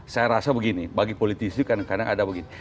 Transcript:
saya rasa begini bagi politisi kadang kadang ada begini